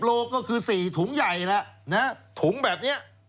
โลก็คือ๔ถุงใหญ่แล้วถุงแบบนี้